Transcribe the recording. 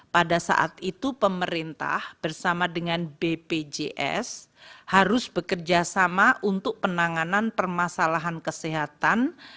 pada saat itu pemerintah bersama dengan bpjs harus bekerja sama untuk penanganan permasalahan kesehatan